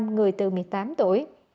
năm người từ một mươi tám tuổi